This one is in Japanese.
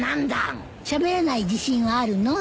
しゃべらない自信はあるの？